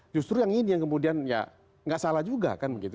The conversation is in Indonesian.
justru yang ini yang kemudian ya nggak salah juga kan begitu